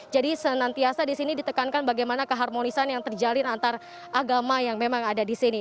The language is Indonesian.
jadi senantiasa disini ditekankan bagaimana keharmonisan yang terjalin antara agama yang memang ada disini